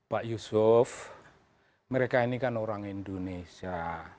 pak yusuf mereka ini kan orang indonesia